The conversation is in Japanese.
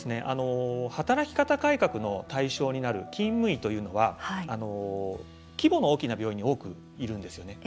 働き方改革の対象になる勤務医というのは規模の大きな病院に多くいるんですよね。